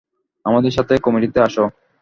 আমাদের সাথে কমিটিতে আস।